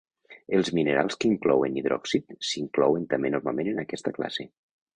Els minerals que inclouen hidròxid s'inclouen també normalment en aquesta classe.